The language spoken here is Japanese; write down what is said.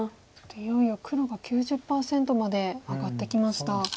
いよいよ黒が９０％まで上がってきました。